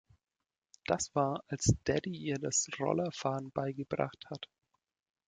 Das war, als Daddy ihr das Rollerfahren beigebracht hat.